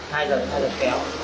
hai lần hai lần kéo